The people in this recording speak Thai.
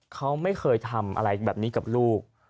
เขาไม่เคยทำอะไรแบบนี้กับลูก